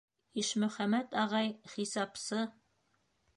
Ишмөхәмәт ағай, хисапсы...